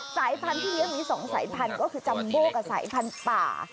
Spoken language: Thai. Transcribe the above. สายพันธุ์ที่เลี้ยงมี๒สายพันธุ์ก็คือจัมโบกับสายพันธุ์ป่า